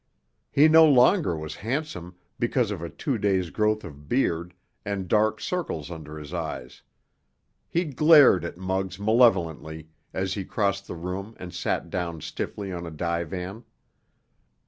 He no longer was handsome because of a two days' growth of beard and dark circles under his eyes. He glared at Muggs malevolently as he crossed the room and sat down stiffly on a divan.